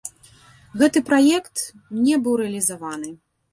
Гэты праект не быў рэалізаваны.